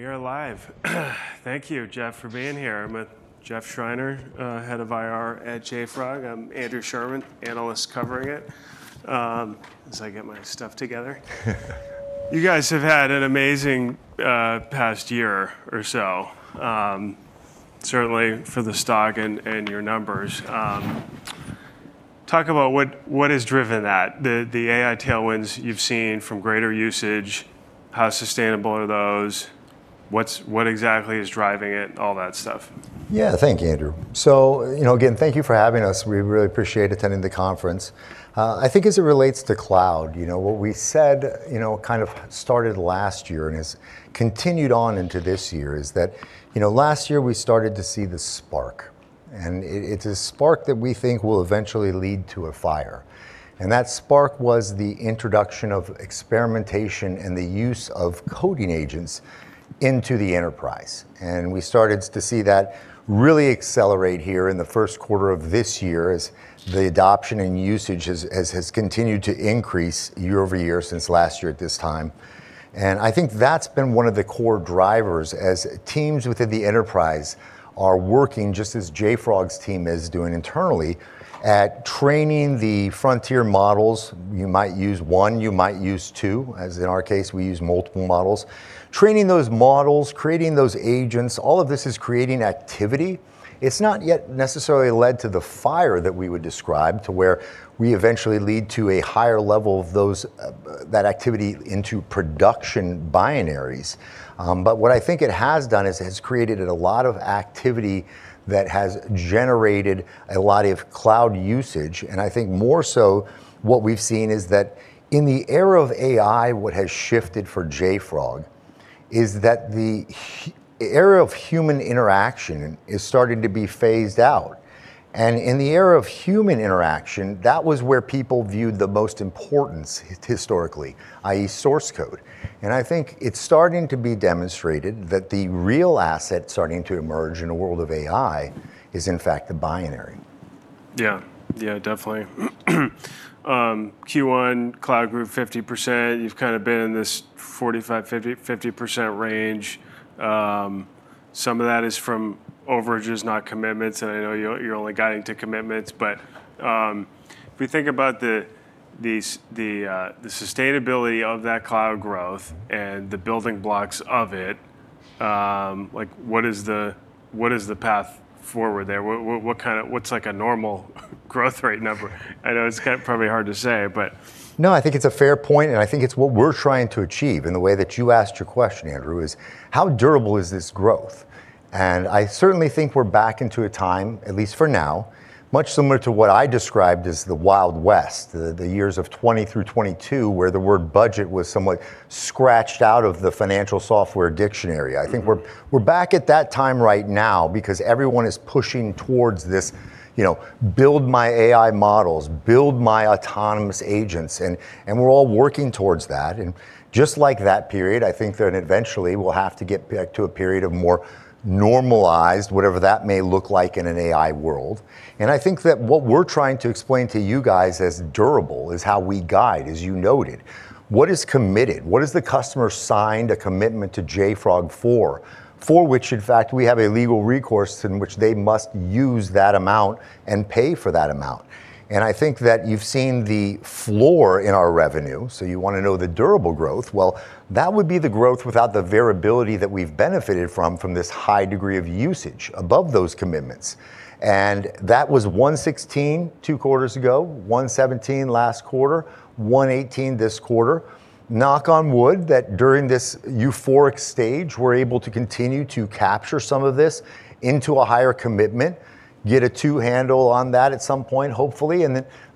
We are live. Thank you, Jeff, for being here. I'm with Jeff Schreiner, Head of IR at JFrog. I'm Andrew Sherman, Analyst covering it. As I get my stuff together. You guys have had an amazing past year or so. Certainly, for the stock and your numbers. Talk about what has driven that. The AI tailwinds you've seen from greater usage, how sustainable are those? What exactly is driving it? All that stuff. Thank you, Andrew. Thank you for having us. We really appreciate attending the conference. I think as it relates to cloud, what we said kind of started last year and has continued on into this year, is that last year we started to see the spark, and it's a spark that we think will eventually lead to a fire. That spark was the introduction of experimentation and the use of coding agents into the enterprise. We started to see that really accelerate here in the first quarter of this year as the adoption and usage has continued to increase year-over-year since last year at this time. I think that's been one of the core drivers as teams within the enterprise are working, just as JFrog's team is doing internally, at training the frontier models. You might use one, you might use two, as in our case, we use multiple models. Training those models, creating those agents, all of this is creating activity. It's not yet necessarily led to the fire that we would describe to where we eventually lead to a higher level of that activity into production binaries. What I think it has done is it has created a lot of activity that has generated a lot of cloud usage, and I think more so what we've seen is that in the era of AI, what has shifted for JFrog is that the era of human interaction is starting to be phased out. In the era of human interaction, that was where people viewed the most importance historically, i.e. source code. I think it's starting to be demonstrated that the real asset starting to emerge in a world of AI is, in fact, the binary. Yeah. Definitely. Q1 cloud grew 50%. You've kind of been in this 45%, 50% range. Some of that is from overages, not commitments, and I know you're only guiding to commitments. If we think about the sustainability of that cloud growth and the building blocks of it, what is the path forward there? What's a normal growth rate number? I know it's probably hard to say. No, I think it's a fair point, and I think it's what we're trying to achieve in the way that you asked your question, Andrew, is how durable is this growth? I certainly think we're back into a time, at least for now, much similar to what I described as the Wild West, the years of 2020 through 2022, where the word budget was somewhat scratched out of the financial software dictionary. I think we're back at that time right now because everyone is pushing towards this, build my AI models, build my autonomous agents. We're all working towards that. Just like that period, I think that eventually we'll have to get back to a period of more normalized, whatever that may look like in an AI world. I think that what we're trying to explain to you guys as durable is how we guide, as you noted. What is committed? What has the customer signed a commitment to JFrog for? For which, in fact, we have a legal recourse in which they must use that amount and pay for that amount. I think that you've seen the floor in our revenue. You want to know the durable growth. Well, that would be the growth without the variability that we've benefited from this high degree of usage above those commitments. That was 116 two quarters ago, 117 last quarter, 118 this quarter. Knock on wood, that during this euphoric stage, we're able to continue to capture some of this into a higher commitment, get a handle on that at some point, hopefully,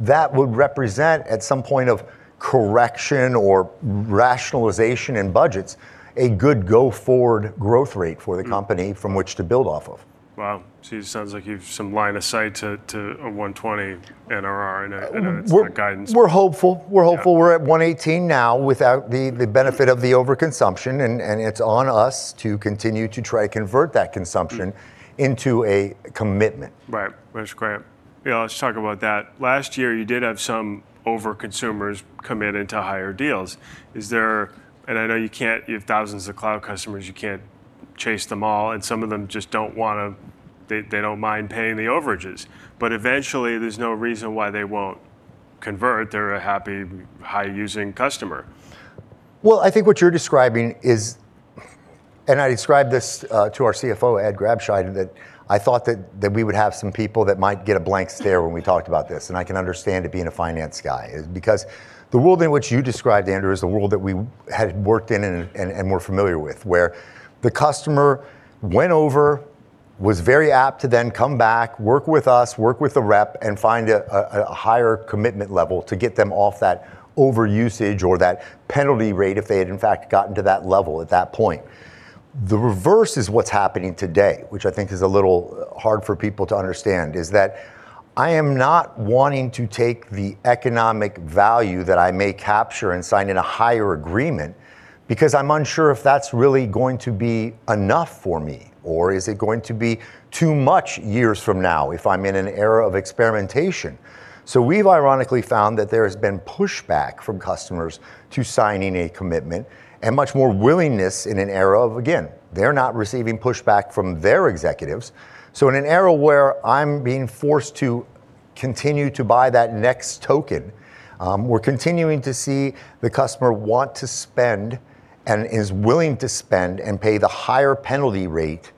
that would represent at some point of correction or rationalization in budgets a good go-forward growth rate for the company from which to build off of. Wow. It sounds like you have some line of sight to a 120 NRR, I know it's not guidance. We're hopeful. Yeah. We're hopeful. We're at 118 now without the benefit of the overconsumption, and it's on us to continue to try to convert that consumption into a commitment. Right. That's great. Yeah, let's talk about that. Last year you did have some over-consumers commit into higher deals. I know you have 1,000s of cloud customers, you can't chase them all, and some of them just don't mind paying the overages. Eventually there's no reason why they won't convert. They're a happy high using customer. I think what you're describing is, and I described this to our CFO, Ed Grabscheid, that I thought that we would have some people that might get a blank stare when we talked about this, and I can understand it being a finance guy. The world in which you described, Andrew, is the world that we had worked in and were familiar with. Where the customer went over, was very apt to then come back, work with us, work with a rep, and find a higher commitment level to get them off that overusage or that penalty rate if they had in fact gotten to that level at that point. The reverse is what's happening today, which I think is a little hard for people to understand, is that I am not wanting to take the economic value that I may capture and sign in a higher agreement because I'm unsure if that's really going to be enough for me, or is it going to be too much years from now if I'm in an era of experimentation? We've ironically found that there has been pushback from customers to signing a commitment, and much more willingness in an era of, again, they're not receiving pushback from their executives. In an era where I'm being forced to continue to buy that next token, we're continuing to see the customer want to spend and is willing to spend and pay the higher penalty rate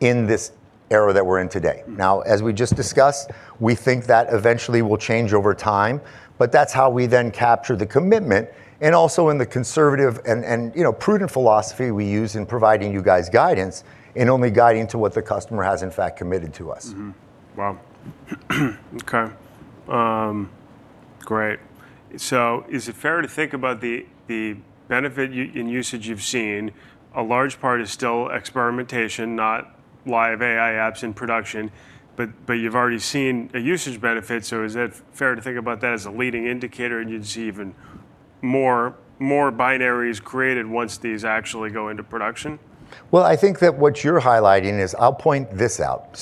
in this era that we're in today. As we just discussed, we think that eventually will change over time, but that's how we then capture the commitment, and also in the conservative and prudent philosophy we use in providing you guys guidance and only guiding to what the customer has in fact committed to us. Mm-hmm. Wow. Okay. Great. Is it fair to think about the benefit you, in usage you've seen, a large part is still experimentation, not live AI apps in production, but you've already seen a usage benefit, so is it fair to think about that as a leading indicator and you'd see even more binaries created once these actually go into production? Well, I think that what you're highlighting is, I'll point this out.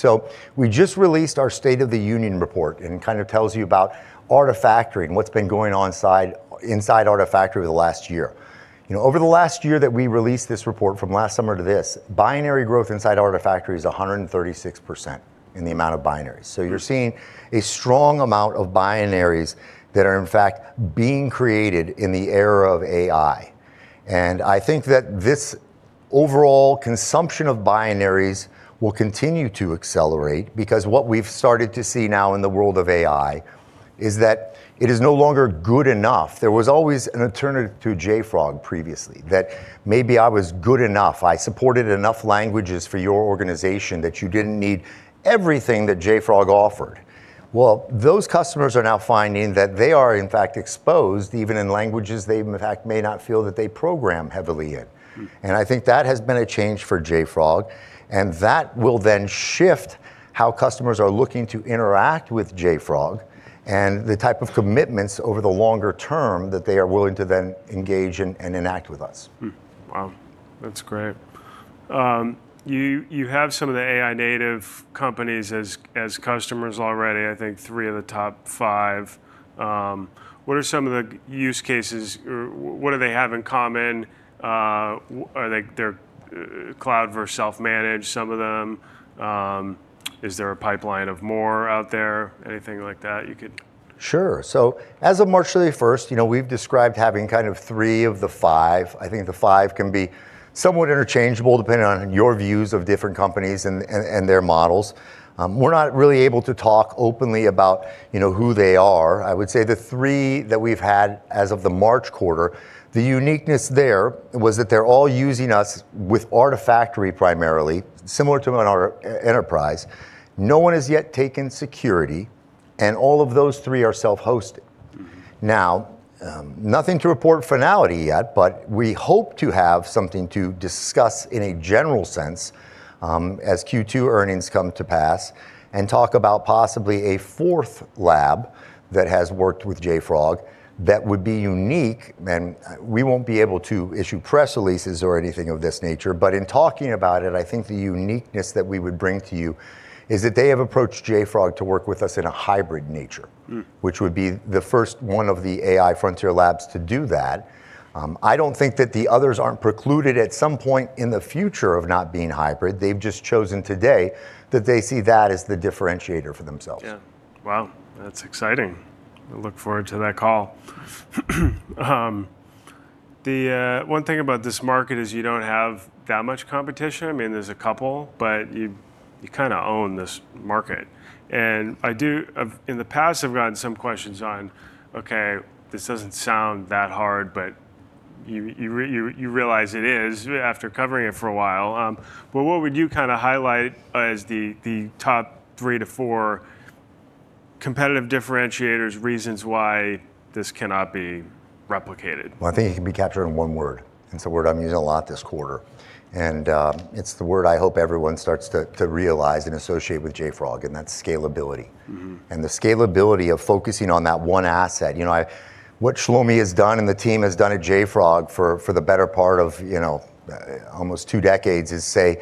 We just released our State of the Union report, and it kind of tells you about Artifactory and what's been going on inside Artifactory over the last year. Over the last year that we released this report from last summer to this, binary growth inside Artifactory is 136% in the amount of binaries. You're seeing a strong amount of binaries that are in fact being created in the era of AI. I think that this overall consumption of binaries will continue to accelerate because what we've started to see now in the world of AI is that it is no longer good enough. There was always an alternative to JFrog previously, that maybe I was good enough, I supported enough languages for your organization that you didn't need everything that JFrog offered. Well, those customers are now finding that they are in fact exposed even in languages they in fact may not feel that they program heavily in. I think that has been a change for JFrog, and that will then shift how customers are looking to interact with JFrog and the type of commitments over the longer term that they are willing to then engage and enact with us. Wow. That's great. You have some of the AI native companies as customers already, I think three of the top five. What are some of the use cases or what do they have in common? They're cloud versus self-managed, some of them. Is there a pipeline of more out there? Anything like that you could? Sure. As of March 31st, we've described having kind of three of the five. I think the five can be somewhat interchangeable depending on your views of different companies and their models. We're not really able to talk openly about who they are. I would say the three that we've had as of the March quarter, the uniqueness there was that they're all using us with Artifactory primarily, similar to our enterprise. No one has yet taken security, and all of those three are self-hosted. Nothing to report finality yet, but we hope to have something to discuss in a general sense, as Q2 earnings come to pass, and talk about possibly a fourth lab that has worked with JFrog that would be unique, and we won't be able to issue press releases or anything of this nature, but in talking about it, I think the uniqueness that we would bring to you is that they have approached JFrog to work with us in a hybrid nature. Which would be the first one of the AI frontier labs to do that. I don't think that the others aren't precluded at some point in the future of not being hybrid. They've just chosen today that they see that as the differentiator for themselves. Yeah. Wow, that's exciting. I look forward to that call. One thing about this market is you don't have that much competition. I mean, there's a couple, but you kind of own this market, and in the past I've gotten some questions on, okay, this doesn't sound that hard, but you realize it is after covering it for a while. What would you kind of highlight as the top three to four competitive differentiators, reasons why this cannot be replicated? Well, I think it can be captured in one word. It's a word I'm using a lot this quarter. It's the word I hope everyone starts to realize and associate with JFrog, and that's scalability. The scalability of focusing on that one asset. What Shlomi has done and the team has done at JFrog for the better part of almost two decades is say,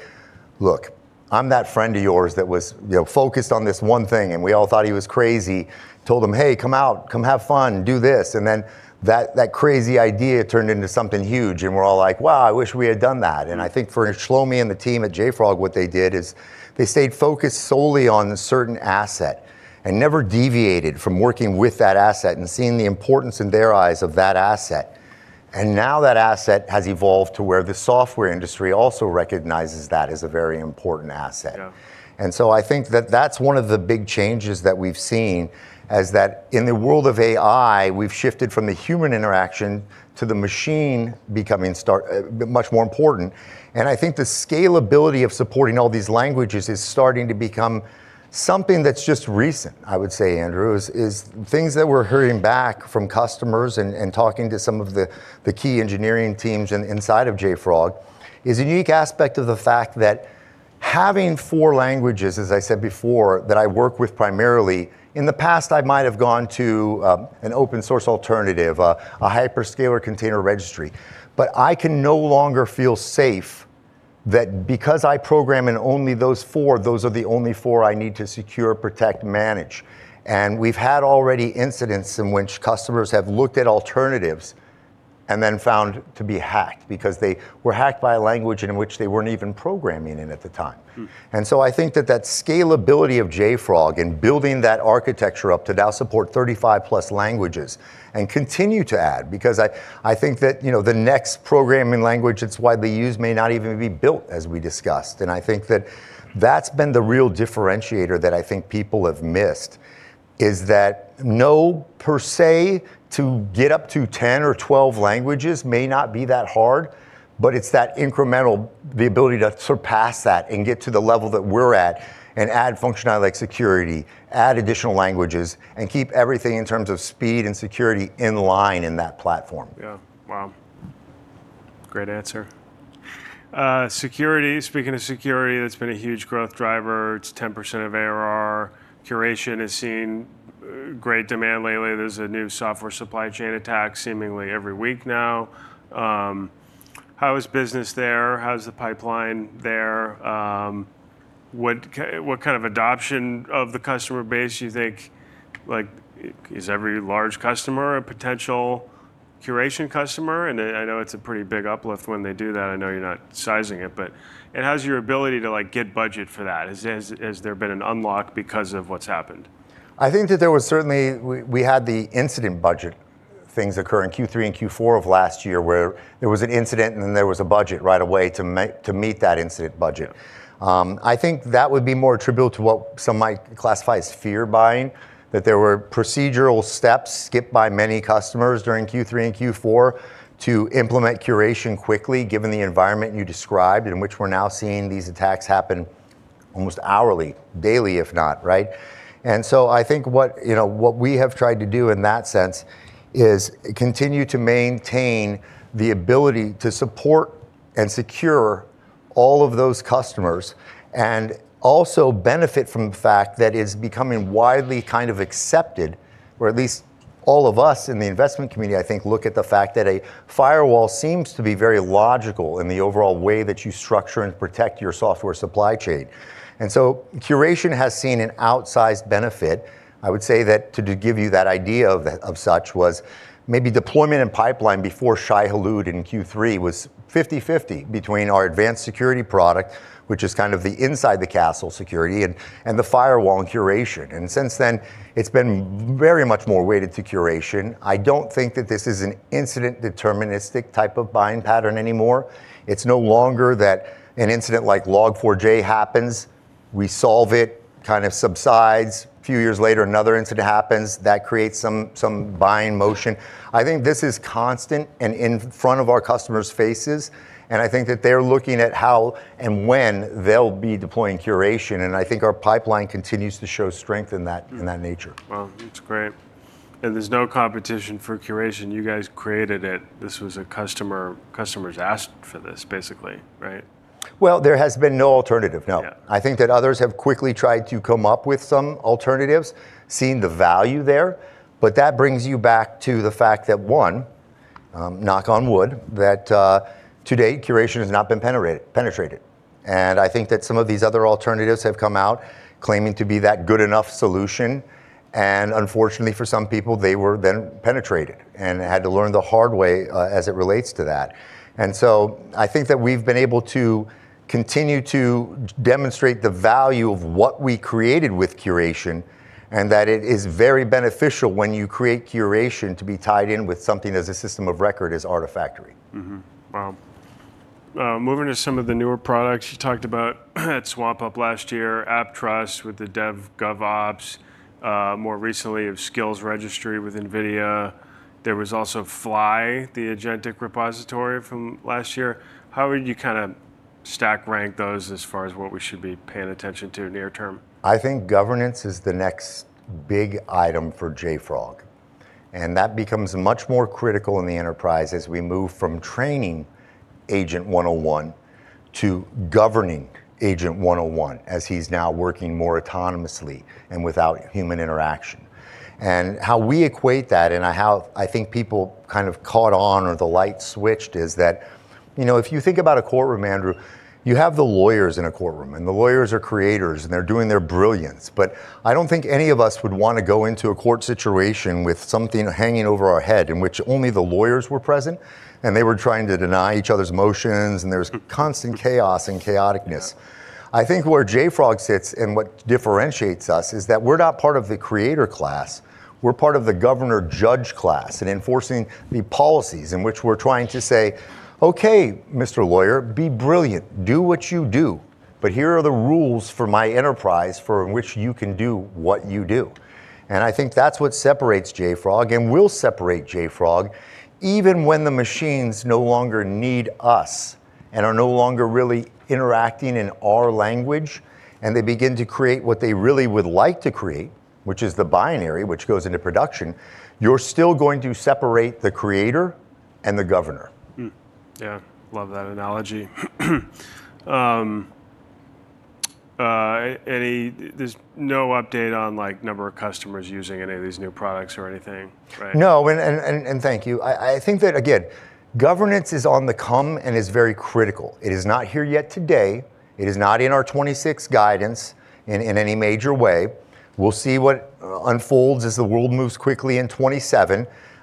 "Look, I'm that friend of yours that was focused on this one thing," and we all thought he was crazy. Told him, "Hey, come out, come have fun, do this." Then that crazy idea turned into something huge and we're all like, "Wow, I wish we had done that." I think for Shlomi and the team at JFrog, what they did is they stayed focused solely on a certain asset and never deviated from working with that asset and seeing the importance in their eyes of that asset. Now that asset has evolved to where the software industry also recognizes that as a very important asset. Yeah. I think that that's one of the big changes that we've seen, is that in the world of AI, we've shifted from the human interaction to the machine becoming much more important, and I think the scalability of supporting all these languages is starting to become something that's just recent, I would say, Andrew, is things that we're hearing back from customers and talking to some of the key engineering teams inside of JFrog is a unique aspect of the fact that having four languages, as I said before, that I work with primarily, in the past, I might have gone to an open source alternative, a hyperscaler container registry. I can no longer feel safe that because I program in only those four, those are the only four I need to secure, protect, manage. We've had already incidents in which customers have looked at alternatives and then found to be hacked because they were hacked by a language in which they weren't even programming in at the time. I think that scalability of JFrog and building that architecture up to now support 35+ languages and continue to add because I think that the next programming language that's widely used may not even be built, as we discussed. I think that that's been the real differentiator that I think people have missed, is that no per se, to get up to 10 or 12 languages may not be that hard, but it's that incremental, the ability to surpass that and get to the level that `we're at and add functionality like security, add additional languages, and keep everything in terms of speed and security in line in that platform. Yeah. Wow. Great answer. Security, speaking of security, that's been a huge growth driver. It's 10% of ARR. Curation has seen great demand lately. There's a new software supply chain attack seemingly every week now. How is business there? How's the pipeline there? What kind of adoption of the customer base do you think? Is every large customer a potential Curation customer? I know it's a pretty big uplift when they do that. I know you're not sizing it, but, and how's your ability to get budget for that? Has there been an unlock because of what's happened? I think that there was certainly We had the incident budget things occur in Q3 and Q4 of last year where there was an incident, and then there was a budget right away to meet that incident budget. I think that would be more attributable to what some might classify as fear buying, that there were procedural steps skipped by many customers during Q3 and Q4 to implement curation quickly, given the environment you described in which we're now seeing these attacks happen almost hourly, daily, if not, right? I think what we have tried to do in that sense is continue to maintain the ability to support and secure all of those customers, also benefit from the fact that it's becoming widely kind of accepted, or at least all of us in the investment community, I think, look at the fact that a firewall seems to be very logical in the overall way that you structure and protect your software supply chain. JFrog Curation has seen an outsized benefit. I would say that to give you that idea of such was maybe deployment and pipeline before Shai Hulud in Q3 was 50/50 between our JFrog Advanced Security product, which is kind of the inside the castle security, and the firewall and JFrog Curation. Since then, it's been very much more weighted to JFrog Curation. I don't think that this is an incident deterministic type of buying pattern anymore. It's no longer that an incident like Log4j happens, we solve it, kind of subsides. A few years later, another incident happens, that creates some buying motion. I think this is constant and in front of our customers' faces, and I think that they're looking at how and when they'll be deploying Curation, and I think our pipeline continues to show strength in that nature. Wow, that's great. There's no competition for Curation. You guys created it. Customers asked for this, basically, right? Well, there has been no alternative, no. Yeah. I think that others have quickly tried to come up with some alternatives, seen the value there. That brings you back to the fact that, one, knock on wood, that to date, JFrog Curation has not been penetrated. I think that some of these other alternatives have come out claiming to be that good enough solution, and unfortunately for some people, they were then penetrated and had to learn the hard way as it relates to that. I think that we've been able to continue to demonstrate the value of what we created with JFrog Curation, and that it is very beneficial when you create JFrog Curation to be tied in with something as a system of record as Artifactory. Wow. Moving to some of the newer products you talked about at swampUP last year, AppTrust with the DevGovOps, more recently of Skills Registry with NVIDIA. There was also Fly, the agentic repository from last year. How would you kind of stack rank those as far as what we should be paying attention to near term? I think governance is the next big item for JFrog, and that becomes much more critical in the enterprise as we move from training Agent101 to governing Agent101, as he's now working more autonomously and without human interaction. How we equate that and how I think people kind of caught on or the light switched is that, if you think about a courtroom, Andrew, you have the lawyers in a courtroom, and the lawyers are creators, and they're doing their brilliance. But I don't think any of us would want to go into a court situation with something hanging over our head in which only the lawyers were present, and they were trying to deny each other's motions, and there's constant chaos and chaoticness. Yeah. I think where JFrog sits and what differentiates us is that we're not part of the creator class. We're part of the governor judge class and enforcing the policies in which we're trying to say, "Okay, Mr. Lawyer, be brilliant. Do what you do. Here are the rules for my enterprise for which you can do what you do." I think that's what separates JFrog and will separate JFrog even when the machines no longer need us and are no longer really interacting in our language and they begin to create what they really would like to create, which is the binary which goes into production. You're still going to separate the creator and the governor. Yeah. Love that analogy. There's no update on number of customers using any of these new products or anything, right? No, thank you. I think that, again, governance is on the come and is very critical. It is not here yet today. It is not in our 2026 guidance in any major way. We'll see what unfolds as the world moves quickly in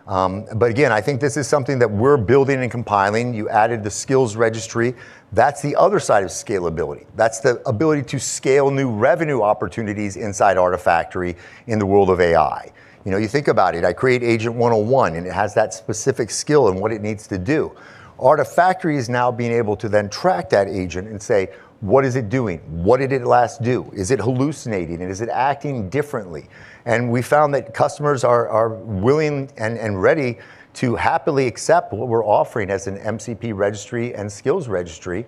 2027. Again, I think this is something that we're building and compiling. You added the Skills Registry. That's the other side of scalability. That's the ability to scale new revenue opportunities inside Artifactory in the world of AI. You think about it, I create Agent101, it has that specific skill and what it needs to do. Artifactory is now being able to then track that agent and say, "What is it doing? What did it last do? Is it hallucinating, and is it acting differently?" We found that customers are willing and ready to happily accept what we're offering as an MCP Registry and Skills Registry.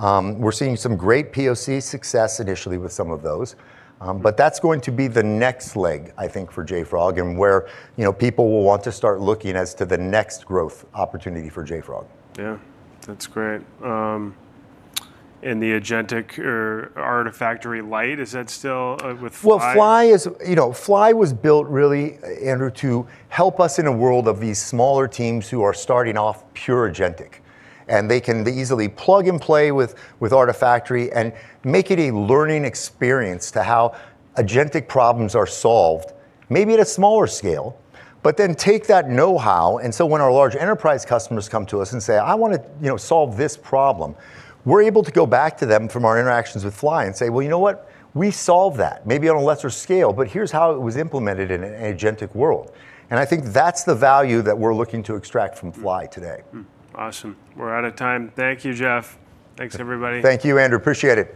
We're seeing some great POC success initially with some of those. That's going to be the next leg, I think, for JFrog, and where people will want to start looking as to the next growth opportunity for JFrog. Yeah. That's great. The agentic or Artifactory Light, is that still with Fly? Fly was built really, Andrew, to help us in a world of these smaller teams who are starting off pure agentic, and they can easily plug and play with Artifactory and make it a learning experience to how agentic problems are solved, maybe at a smaller scale. Take that knowhow, and so when our large enterprise customers come to us and say, "I want to solve this problem," we're able to go back to them from our interactions with Fly and say, "You know what? We solved that, maybe on a lesser scale, but here's how it was implemented in an agentic world." I think that's the value that we're looking to extract from Fly today. Awesome. We're out of time. Thank you, Jeff. Thanks, everybody. Thank you, Andrew. Appreciate it.